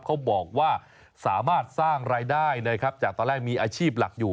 เขาบอกว่าสามารถสร้างรายได้นะครับจากตอนแรกมีอาชีพหลักอยู่